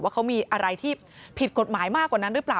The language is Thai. ว่าเขามีอะไรที่ผิดกฎหมายมากกว่านั้นหรือเปล่า